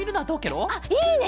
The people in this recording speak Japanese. あっいいね！